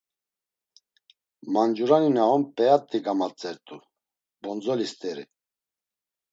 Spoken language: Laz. Mancurani na on p̌eyat̆i gamatzert̆u; bondzoli st̆eri.